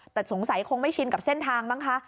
แต่สงสัยคงไม่ชินกับเส้นทางมั้งคะ